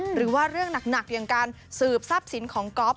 หรือว่าเรื่องหนักอย่างการสืบทรัพย์สินของก๊อฟ